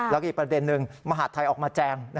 แล้วก็อีกประเด็นหนึ่งมหาดไทยออกมาแจง